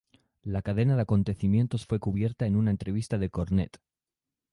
La cadena de acontecimientos fue cubierta en una entrevista de Cornette.